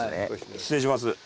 失礼します。